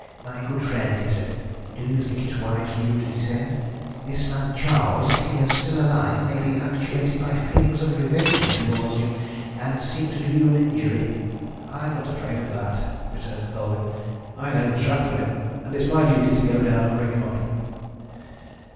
"My good friend," he said, "do you think it is wise for you to descend? This man Charles, if he is still alive, may be actuated by feelings of revenge towards you, and seek to do you an injury." "I am not afraid of that," returned Colwyn. "I laid the trap for him, and it is my duty to go down and bring him up."